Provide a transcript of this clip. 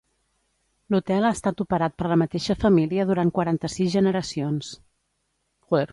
L'hotel ha estat operat per la mateixa família durant quaranta-sis generacions.